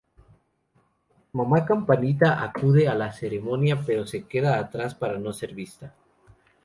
Mamá Campanita acude a la ceremonia pero se queda atrás para no ser vista.